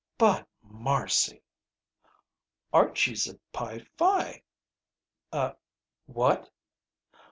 "But, Marcy " "Archie's a Pi Phi!" "A what?"